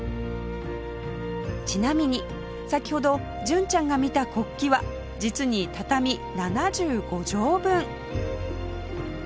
ちなみに先ほど純ちゃんが見た国旗は実に畳７５畳分